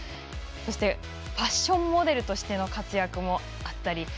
そしてファッションモデルとしての活躍もあったり